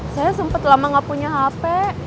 saya sempat lama gak punya hp